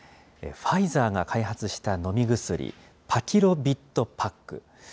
ファイザーが開発した飲み薬、パキロビッドパック。